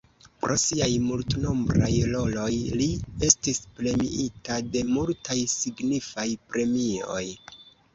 Pro siaj multnombraj roloj li estis premiita de multaj signifaj premioj.